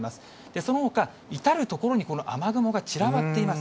そのほか、至る所に雨雲が散らばっています。